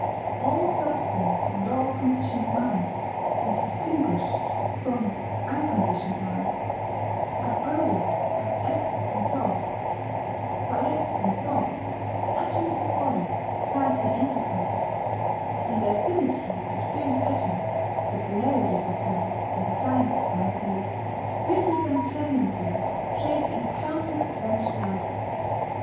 All substance and all conditioned mind (as distinguished from unconditioned mind) are products of acts and thoughts: by acts and thoughts the atoms of bodies have been integrated; and the affinities of those atoms the polarities of them, as a scientist might say represent tendencies shaped in countless vanished lives.